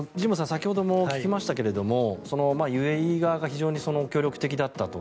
先ほども聞きましたがＵＡＥ側が非常に強力的だったと。